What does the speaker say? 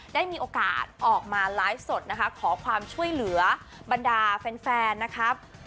ได้มีโอกาสออกมาไลฟ์สดนะคะขอความช่วยเหลือบรรดาแฟนนะครับ